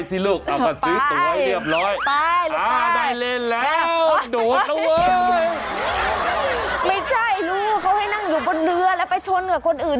ไม่ใช่ลูกเขาให้นั่งอยู่บนเรือแล้วไปชนกับคนอื่น